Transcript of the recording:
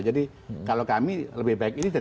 jadi kalau kami lebih baik ini daripada